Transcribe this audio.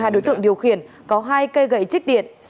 hai đối tượng điều khiển có hai cây gậy chích điện